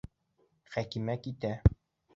Хәкимә китә.